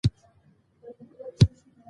که دروغ ثابت شي نو د دوی نړۍ ړنګېږي.